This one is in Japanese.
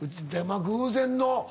偶然のな。